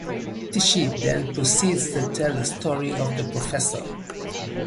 Tichy then proceeds to tell the story of the professor.